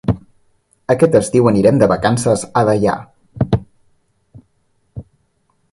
Aquest estiu anirem de vacances a Deià.